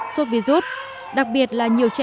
sốt virus đặc biệt là nhiều trẻ